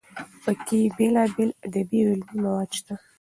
پکې بېلابېل ادبي او علمي مواد شته.